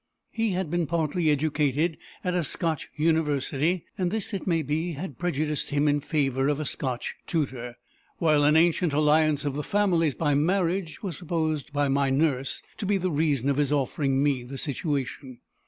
He had been partly educated at a Scotch university; and this, it may be, had prejudiced him in favour of a Scotch tutor; while an ancient alliance of the families by marriage was supposed by my nurse to be the reason of his offering me the situation.